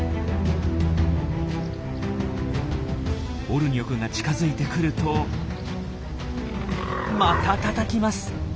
オルニョクが近づいてくるとまたたたきます。